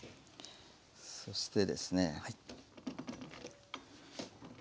そしてですね。